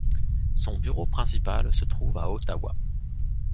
Son bureau principal se trouve à Ottawa.